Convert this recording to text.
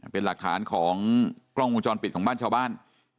เป็นหลักฐานของกล้องวงจรปิดของบ้านชาวบ้าน